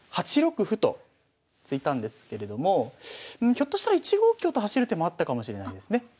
８六歩と突いたんですけれどもひょっとしたら１五香と走る手もあったかもしれないですね。